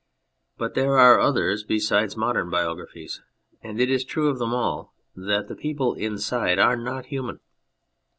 But there are others besides modern biographies, and it is true of them all that the people inside are not human.